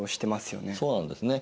そうなんですね。